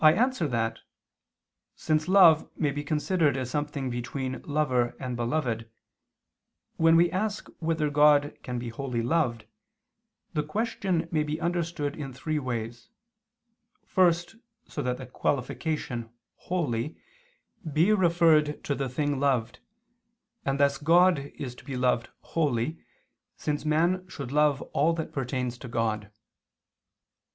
I answer that, Since love may be considered as something between lover and beloved, when we ask whether God can be wholly loved, the question may be understood in three ways, first so that the qualification "wholly" be referred to the thing loved, and thus God is to be loved wholly, since man should love all that pertains to God.